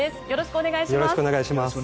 よろしくお願いします。